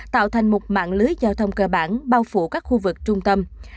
tạo thành một mạng lưới giao thông cơ bản bao phủ các khu vực trung tâm